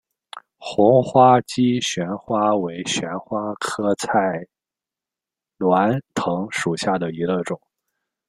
红花姬旋花为旋花科菜栾藤属下的一个种。